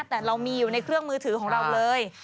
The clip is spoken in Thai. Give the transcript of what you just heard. แต่เรามีอยู่ในเครื่องมือถือของเราเลย